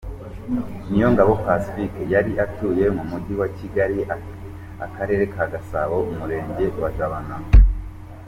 Niyongabo Pacifique, yari atuye mu mujyi wa Kigali akarere ka Gasabo umurenge wa Jabana.